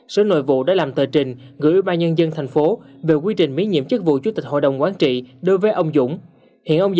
sở nội vụ đã làm tờ trình